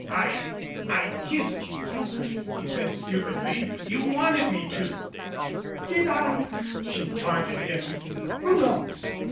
"I I kissed you," he said stupidly. "You wanted me to." "Did I?" she taunted him. "Who knows?